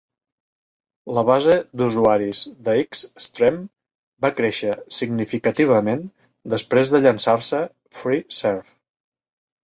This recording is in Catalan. La base d'usuaris de X-Stream va créixer significativament després de llançar-se Freeserve.